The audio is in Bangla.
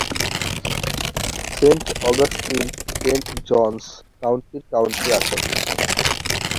সেন্ট অগাস্টিন সেন্ট জনস কাউন্টির কাউন্টি আসন।